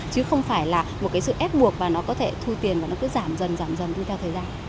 chứ không phải là một cái sự ép buộc mà nó có thể thu tiền và nó cứ giảm dần giảm dần đi theo thời gian